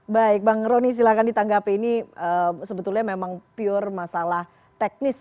baik bang roni silahkan ditanggapi ini sebetulnya memang pure masalah teknis